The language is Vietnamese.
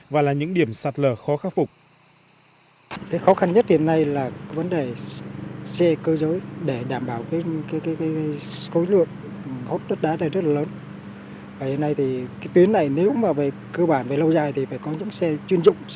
và là những điểm sạt lở khó khắc phục